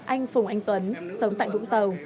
anh phùng anh tuấn sống tại vũng tàu